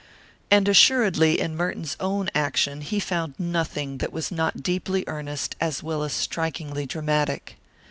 And assuredly in Merton's own action he found nothing that was not deeply earnest as well as strikingly dramatic.